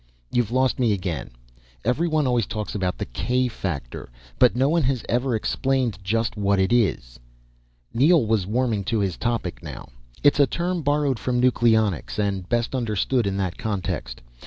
"You've lost me again. Everyone always talks about the k factor, but no one has ever explained just what it is." Neel was warming to his topic now. "It's a term borrowed from nucleonics, and best understood in that context.